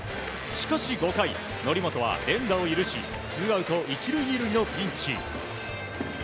しかし５回、則本は連打を許しツーアウト１塁２塁のピンチ。